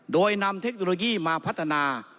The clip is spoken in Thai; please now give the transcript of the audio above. โดยนำเทคโนโลยีมาพัฒนา